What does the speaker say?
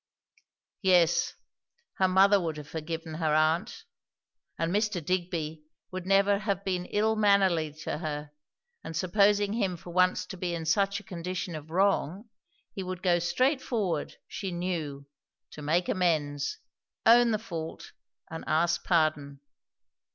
Yes, her mother would have forgiven her aunt; and Mr. Digby would never have been ill mannerly to her; and supposing him for once to be in such a condition of wrong, he would go straight forward, she knew, to make amends, own the fault and ask pardon.